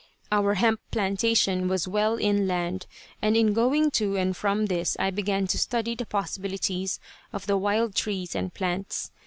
Our hemp plantation was well inland, and in going to and from this I began to study the possibilities of the wild trees and plants.